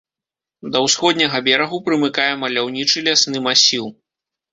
Да ўсходняга берагу прымыкае маляўнічы лясны масіў.